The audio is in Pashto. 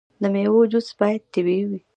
د میوو جوس باید طبیعي وي.